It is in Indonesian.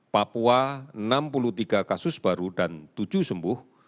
papua enam puluh tiga kasus baru dan tujuh sembuh